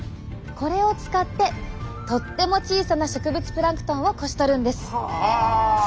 これを使ってとっても小さな植物プランクトンをこし取るんです！